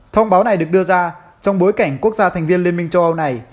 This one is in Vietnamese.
thông báo này được đưa ra trong bối cảnh quốc gia thành viên liên minh châu âu này